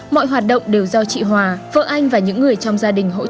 mọi hoạt động đều do chị hòa vợ anh và những người trong gia đình hỗ trợ